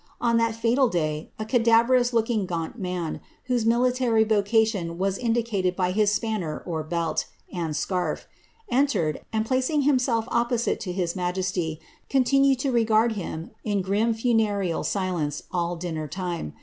On that fatal day a cadaverous looking gaunt man, whose military vocation was indicated by his spanner (belt) and scarf, entered, and placing himself opposite to his majesty, continued to regard him in grim funernl silenee all dinner time.